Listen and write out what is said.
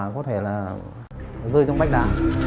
có thể là rơi trong bách đá